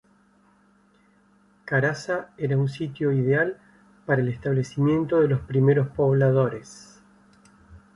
Carasa era un sitio ideal para el establecimiento de los primeros pobladores.